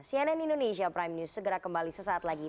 cnn indonesia prime news segera kembali sesaat lagi